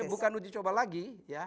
ini bukan uji coba lagi